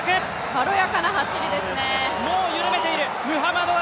軽やかな走りですね。